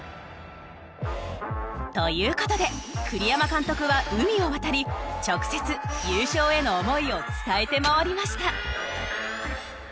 という事で栗山監督は海を渡り直接優勝への思いを伝えて回りました。